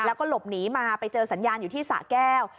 แล้วก็หลบหนีมาไปเจอสัญญาณอยู่ที่สะแก้ว